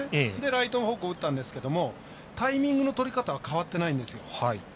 ライト方向に打ったんですがタイミングの取り方は変わってないんですよ。